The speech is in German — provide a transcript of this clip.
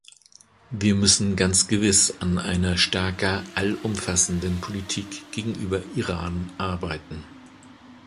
Wir müssen ganz gewiss an einer stärker allumfassenden Politik gegenüber Iran arbeiten.